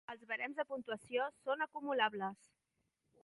Els barems de puntuació són acumulables.